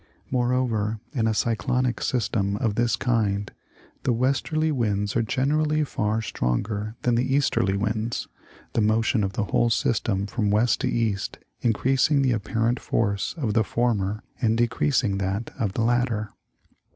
Moreover, in a cyclonic system of this kind the westerly winds are generally far stronger than the easterly winds, the motion of the whole system from west to east increasing the apparent force of the former and deci easing that of the latter.